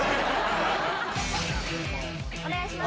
お願いします。